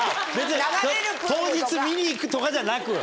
当日見に行くとかじゃなく？